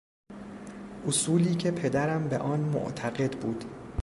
اصولی که پدرم به آن معتقد بود